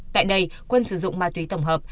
tại đây quân sử dụng ma túy tổng hợp